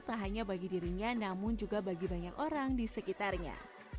tak hanya bagi dirinya namun juga bagi banyak orang di sekitarnya